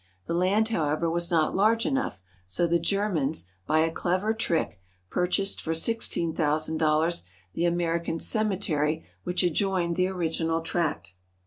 The land, however, was not large enough, so the Germans by a clever trick purchased for sixteen thousand dollars the American cemetery which adjoined the original tract.